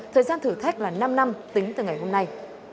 thời gian thử thách là năm năm tính từ ngày hôm nay